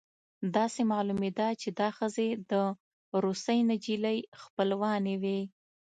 داسې معلومېده چې دا ښځې د روسۍ نجلۍ خپلوانې وې